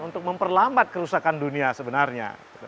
untuk memperlambat kerusakan dunia sebenarnya